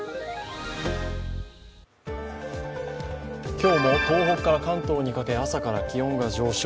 今日も東北から関東にかけ、朝から気温が上昇。